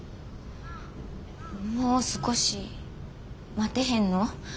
もう少し待てへんの？